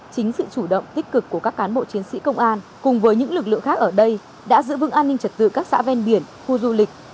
chính sự chủ động tích cực của các cán bộ chiến sĩ công an cùng với những lực lượng khác ở đây đã giữ vững an ninh trật tự các xã ven biển khu du lịch